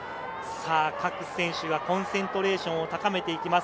各選手がコンセントレーションを高めていきます。